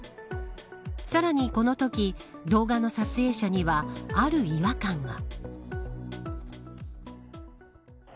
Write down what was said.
さらに、このとき動画の撮影者にはある違和感が。